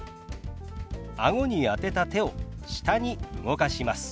あごに当てた手を下に動かします。